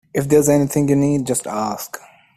If there's anything you need, just ask